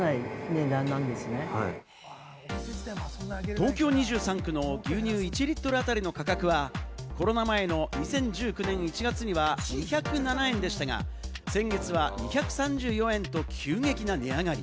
東京２３区の牛乳１リットル当たりの価格はコロナ前の２０１９年１月には２０７円でしたが、先月は２３４円と急激な値上がり。